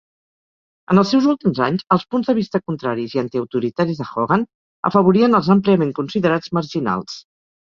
En els seus últims anys, els punts de vista contraris i antiautoritaris de Hogan afavorien els àmpliament considerats "marginals".